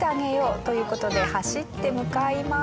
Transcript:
という事で走って向かいます。